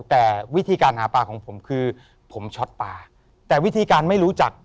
แต่วิธีการหาปลาของผมคือผมช็อตปลาแต่วิธีการไม่รู้จัก